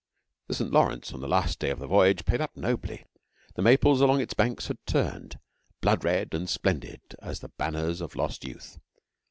The St. Lawrence on the last day of the voyage played up nobly. The maples along its banks had turned blood red and splendid as the banners of lost youth.